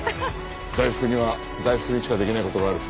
大福には大福にしかできない事がある。